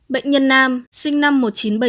bệnh nhân nam sinh năm một nghìn chín trăm bảy mươi